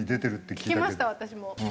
聞きました私も。